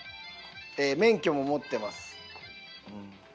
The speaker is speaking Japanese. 「免許も持ってます」。